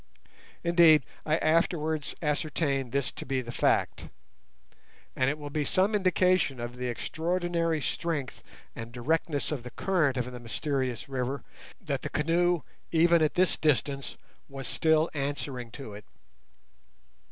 Indeed, I afterwards ascertained this to be the fact, and it will be some indication of the extraordinary strength and directness of the current of the mysterious river that the canoe, even at this distance, was still answering to it.